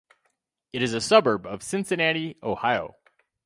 It is a suburb of Cincinnati, Ohio.